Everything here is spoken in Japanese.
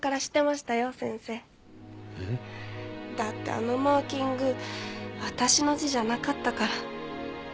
だってあのマーキング私の字じゃなかったから。